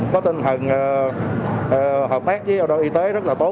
có tinh thần hợp tác với đội y tế rất là tốt